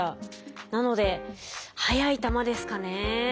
なので速い球ですかね。